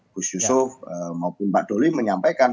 gus yusuf maupun pak doli menyampaikan